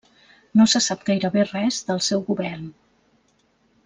No se sap gairebé res del seu govern.